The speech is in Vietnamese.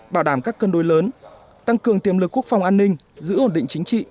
bảo đảm các cân đối lớn tăng cường tiềm lực quốc phòng an ninh giữ ổn định chính trị